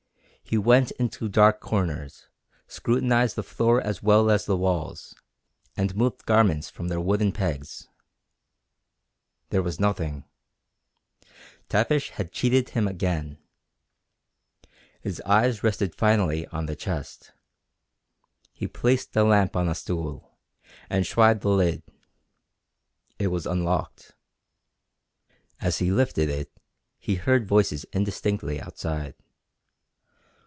He went into dark corners, scrutinized the floor as well as the walls, and moved garments from their wooden pegs. There was nothing. Tavish had cheated him again! His eyes rested finally on the chest. He placed the lamp on a stool, and tried the lid. It was unlocked. As he lifted it he heard voices indistinctly outside.